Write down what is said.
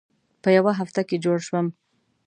په یوه هفته کې جوړ شوم.